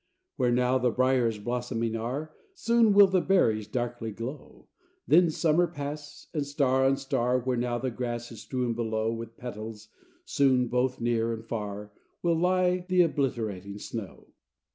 Where now the briers blossoming are, Soon will the berries darkly glow; Then Summer pass: and star on star, Where now the grass is strewn below With petals, soon, both near and far, Will lie the obliterating snow.